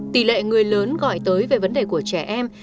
tỷ lệ người lớn gọi tới về vấn đề của trẻ em